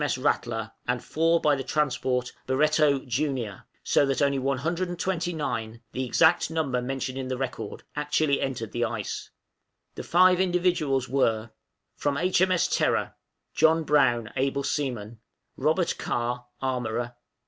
M.S. 'Rattler,' and four by the transport 'Barretto Junior;' so that only one hundred and twenty nine the exact number mentioned in the record actually entered the ice. The five invalids were From H.M.S. 'Terror,' John Brown, Able seaman. " Robert Carr, Armorer.